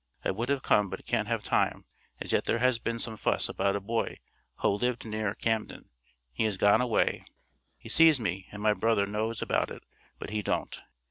I wod have come but cant have time, as yet there has been some fuss about a boy ho lived near Camden, he has gone away, he ses me and my brother nose about it but he don't.